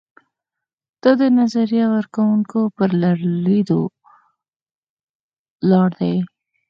دا د نظریه ورکوونکو پر لیدلورو ولاړ دی.